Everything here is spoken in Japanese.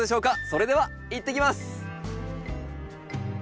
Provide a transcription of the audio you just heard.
それではいってきます！